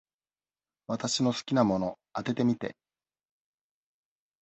私の好きなもの、当ててみて。